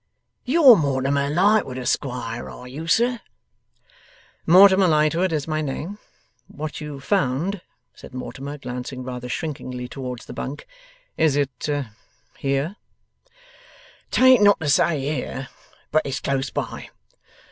'You're Mortimer Lightwood Esquire; are you, sir?' 'Mortimer Lightwood is my name. What you found,' said Mortimer, glancing rather shrinkingly towards the bunk; 'is it here?' ''Tain't not to say here, but it's close by.